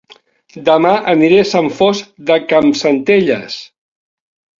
Dema aniré a Sant Fost de Campsentelles